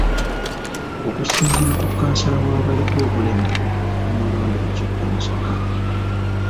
Okusinziira ku kkansala w'abaliko obulemu omulonde mu kibuga Masaka